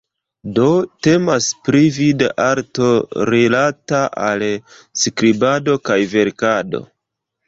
Do, temas pri vida arto rilata al skribado kaj verkado.